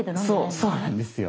そうなんですよ。